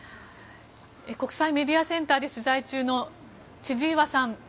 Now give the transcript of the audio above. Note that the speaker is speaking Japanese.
国際メディアセンターで取材中の千々岩さん。